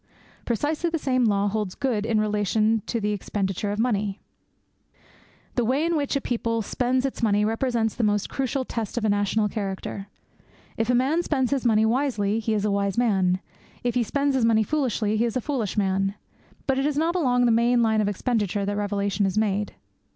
Precisely the same law holds good in relation to the expenditure of money. The way in which a people spends its money represents the most crucial test of national character. If a man spends his money wisely, he is a wise man; if he spends his money foolishly, he is a foolish man. But it is not along the main line of expenditure that the revelation is made.